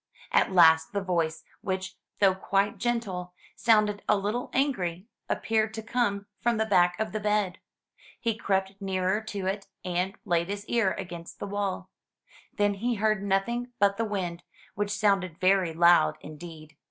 At last the voice, which, though quite gentle, sounded a little angry, appeared to come from the back of the bed. He crept nearer to it, and laid his ear against the wall. Then he heard nothing but the wind, which sounded very loud indeed.